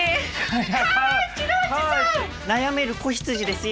悩める子羊ですよ。